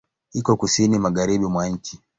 Iko Kusini magharibi mwa nchi.